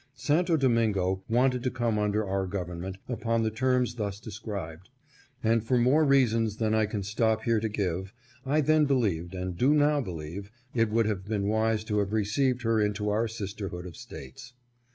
Santo Domingo wanted to come under our government upon the terms thus described ; and for more reasons than I can stop here to give, I then believed, and do now believe, it would have been wise to have received her into our sisterhood of States.